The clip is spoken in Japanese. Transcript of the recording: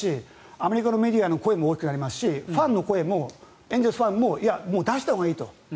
アメリカのメディアの声も大きくなりますしファンの声もエンゼルスファンも出したほうがいいと。